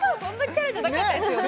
キャラじゃなかったですよね